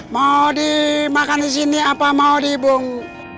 mau dimakan di sini apa mau dibung